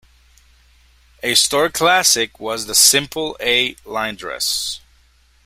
A store classic was the simple A-line dress.